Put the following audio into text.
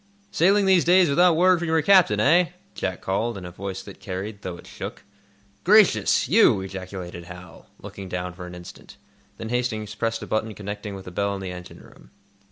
"Sailing these days without word from your captain, eh?" Jack called, in a voice that carried, though it shook. "Gracious—you?" ejaculated Hal, looking down for an instant. Then Hastings pressed a button connecting with a bell in the engine room.